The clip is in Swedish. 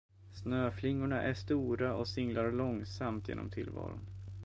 Snöflingorna är stora och singlar långsamt genom tillvaron.